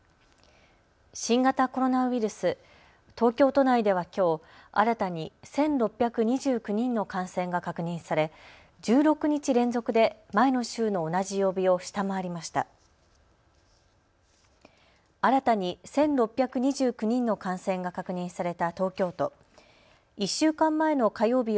新型コロナウイルス、東京都内ではきょう新たに１６２９人の感染が確認され１６日連続で前の週の同じ曜日を下回りました。